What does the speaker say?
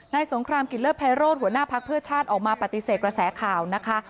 สงครามกิจเลิศภัยโรธหัวหน้าพักเพื่อชาติออกมาปฏิเสธกระแสข่าวนะคะ